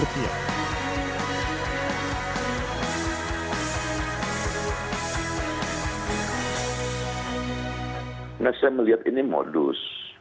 saya melihat ini modus